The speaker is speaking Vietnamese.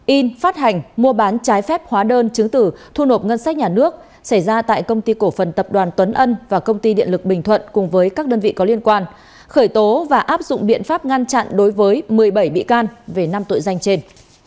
in phát hành mua bán trái phép hóa đơn chứng tử thu nộp ngân sách nhà nước xảy ra tại công ty cổ phần tập đoàn tuấn ân và công ty điện lực bình thuận cùng với các đơn vị có liên quan khởi tố và áp dụng biện pháp ngăn chặn đối với một mươi bảy bị can về năm tội danh trên